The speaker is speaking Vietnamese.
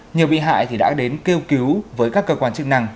nhiều bị hại đã đến kêu cứu với các cơ quan chức năng